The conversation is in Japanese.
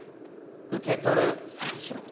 受け取る三四郎。